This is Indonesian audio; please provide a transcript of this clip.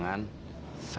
saya akan selamatkan